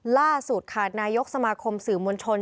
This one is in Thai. ล่าสุดค่ะนายกสมาคมสื่อมวลชน